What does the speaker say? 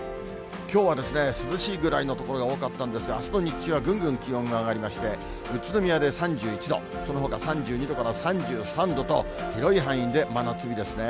きょうは、涼しいぐらいの所が多かったんですが、あすの日中はぐんぐん気温が上がりまして、宇都宮で３１度、そのほか３２度から３３度と、広い範囲で真夏日ですね。